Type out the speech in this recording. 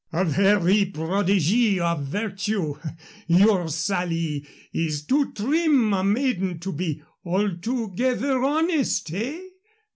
"A very prodigy of virtue. Your Sally is too trim a maiden to be altogether honest, eh?"